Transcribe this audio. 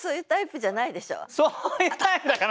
そういうタイプだから！